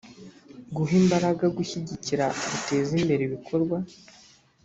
guha imbaraga gushyigikira guteza imbere ibikorwa